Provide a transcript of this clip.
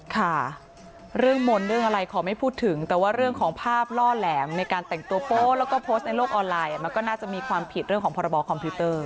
ค่ะเรื่องมนต์เรื่องอะไรขอไม่พูดถึงแต่ว่าเรื่องของภาพล่อแหลมในการแต่งตัวโป๊แล้วก็โพสต์ในโลกออนไลน์มันก็น่าจะมีความผิดเรื่องของพรบคอมพิวเตอร์